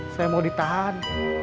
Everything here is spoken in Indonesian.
saya mau ditahan